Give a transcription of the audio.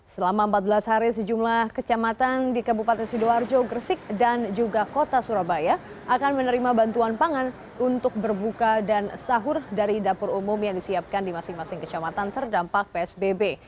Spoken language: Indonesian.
selama empat belas hari sejumlah kecamatan di kabupaten sidoarjo gresik dan juga kota surabaya akan menerima bantuan pangan untuk berbuka dan sahur dari dapur umum yang disiapkan di masing masing kecamatan terdampak psbb